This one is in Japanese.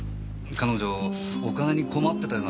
彼女お金に困ってたような様子は。